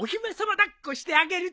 抱っこしてあげるぞ。